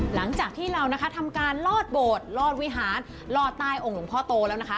หลังจากที่เรานะคะทำการลอดโบสถลอดวิหารลอดใต้องค์หลวงพ่อโตแล้วนะคะ